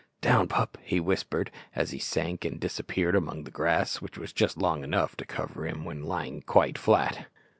"Down, pup!" he whispered, as he sank and disappeared among the grass, which was just long enough to cover him when lying quite flat.